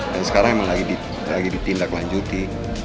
dan sekarang emang lagi ditindak lanjuti